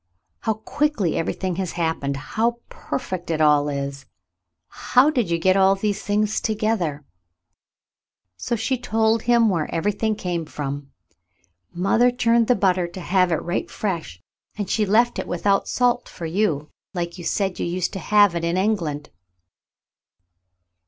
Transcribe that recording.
"How quickly everything has happened ! How perfect it all is ! How did you get all these things together V So she told him where everything came from. "Mother churned the butter to have it right fresh, and she left it without salt for you, like you said you used to have it in England.